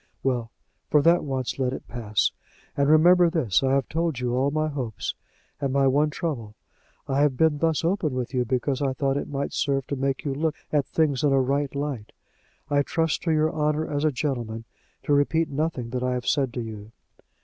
"Well, for that once let it pass. And remember this: I have told you all my hopes, and my one trouble. I have been thus open with you because I thought it might serve to make you look at things in a right light. I trust to your honour as a gentleman to repeat nothing that I have said to you."